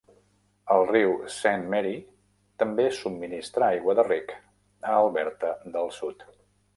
El riu Saint Mary també subministra aigua de rec a Alberta del Sud.